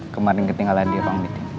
kemarin ketinggalan di rumah